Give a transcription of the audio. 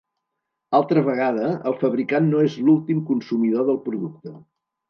Altra vegada, el fabricant no és l'últim consumidor del producte.